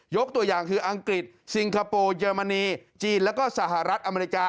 ตัวอย่างคืออังกฤษซิงคโปร์เยอรมนีจีนแล้วก็สหรัฐอเมริกา